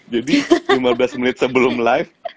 jadi lima belas menit sebelum live